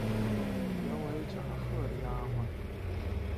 原为贾赦的丫环。